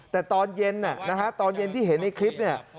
แต่ตอนเย็นนะฮะตอนเย็นที่เห็นในคลิปเนี่ย